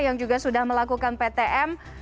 yang juga sudah melakukan ptm